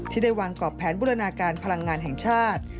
ที่ได้วางกรอบแผนบูรณาการพลังงานแห่งชาติ